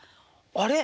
あれ？